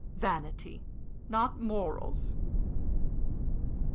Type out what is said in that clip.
Vanity, not morals."